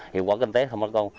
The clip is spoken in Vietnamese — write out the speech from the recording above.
hiệu quả kinh tế không có công